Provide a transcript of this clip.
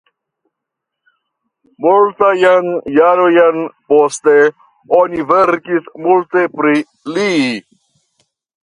Multajn jarojn poste oni verkis multe pri li.